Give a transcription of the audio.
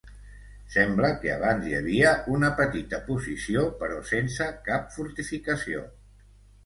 Sembla que abans hi havia una petita posició però sense cap fortificació.